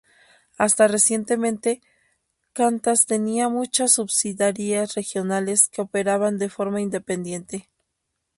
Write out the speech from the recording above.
Hasta recientemente, Qantas tenía muchas subsidiarias regionales, que operaban de forma independiente.